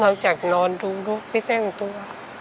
นอกจากนอนดูลูกที่แต่งตัว